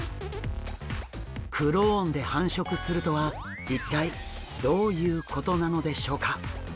クローンで繁殖するとは一体どういうことなのでしょうか？